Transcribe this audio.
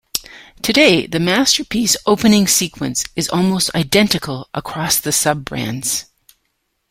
Today, the "Masterpiece" opening sequence is almost identical across the sub-brands.